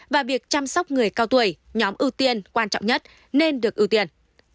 và việc chăm sóc người cao tuổi nhóm ưu tiên quan trọng nhất nên được ưu tiên